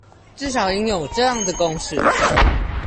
至少應有這樣的共識